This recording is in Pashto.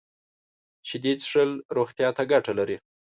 شیدې څښل روغتیا ته ګټه لري